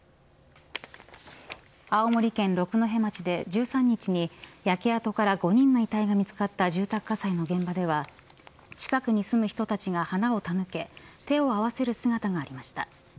青森県六戸町で１３日に焼け跡から５人の遺体が見つかった住宅火災の現場では近くに住む人たちが花を手向け手を合わせる姿がありました。